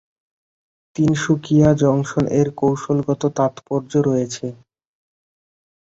Tinsukia junction এর কৌশলগত তাৎপর্য রয়েছে।